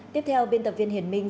tiếp theo biên tập viên hiền minh